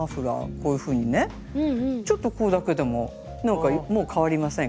こういうふうにねちょっとこれだけでもなんか変わりませんか？